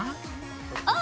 あっ！